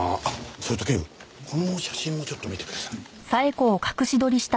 それと警部この写真もちょっと見てください。